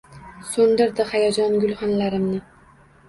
So’ndirdi hayajon gulxanlarimni…